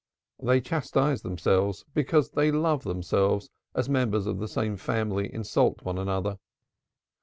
They chastise themselves because they love themselves, as members of the same family insult one another.